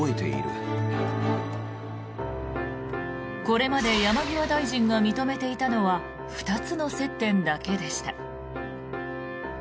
これまで山際大臣が認めていたのは２つの接点だけでした。